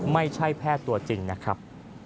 ไม่ใช่แพทย์ตัวจริงนะครับ